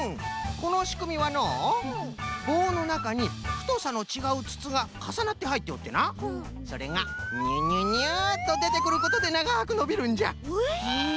このしくみはのうぼうのなかにふとさのちがうつつがかさなってはいっておってなそれがニュニュニュッとでてくることでながくのびるんじゃ。